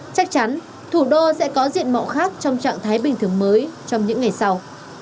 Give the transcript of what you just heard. chắc chắn thủ đô sẽ có diện mạo khác trong trạng thái bình thường mới trong những ngày sau